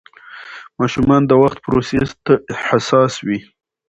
ماشومان د وخت پروسې ته حساس وي.